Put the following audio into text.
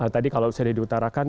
tadi kalau sudah diutarakan